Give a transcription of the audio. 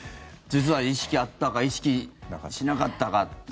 実は意識あったか意識しなかったか。